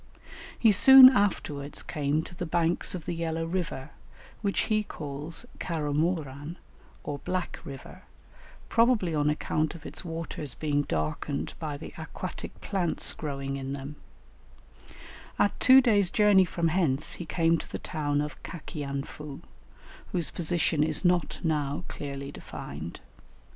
He soon afterwards came to the banks of the Yellow River, which he calls Caramoran or Black River, probably on account of its waters being darkened by the aquatic plants growing in them; at two days' journey from hence he came to the town of Cacianfu, whose position is not now clearly defined.